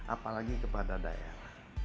apalagi kepada daerah